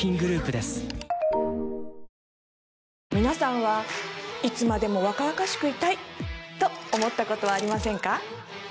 皆さんはいつまでも若々しくいたいと思ったことはありませんか？